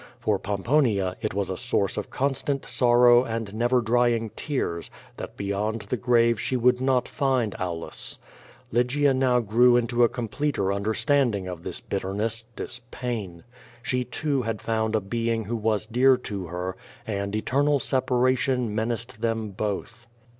For Pomponia it was a source of constant sorrow and never drying tears that beyond the grave she would not find Aulus. Lygia now grew into a completer understanding of this bitterness, this pain. She, too, had found a being who was dear to her, and eternal separation menaced them both.